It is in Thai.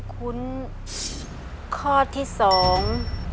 ข้อที่สอง